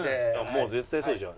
もう絶対そうじゃん。